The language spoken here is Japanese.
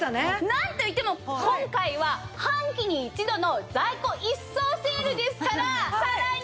なんといっても今回は半期に一度の在庫一掃セールですからさらに。